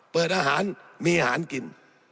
เปิดอาหารมีอาหารกิน